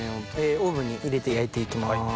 オーブンに入れて焼いて行きます。